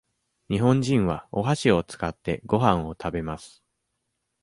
日本人はおはしを使って、ごはんを食べます。